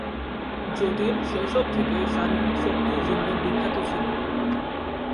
যতীন শৈশব থেকেই শারীরিক শক্তির জন্য বিখ্যাত ছিলেন।